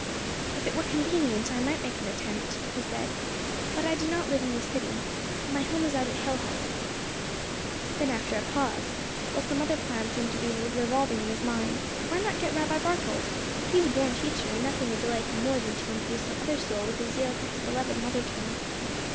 "If it were convenient I might make the attempt," he said. "But I do not live in the city. My home is out at Hillhollow." Then, after a pause, while some other plan seemed to be revolving in his mind, he asked: "Why not get Rabbi Barthold? He is a born teacher, and nothing would delight him more than to imbue some other soul with a zeal for his beloved mother tongue."